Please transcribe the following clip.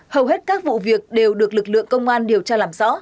hầu hết các vụ việc đều được lực lượng công an điều tra làm rõ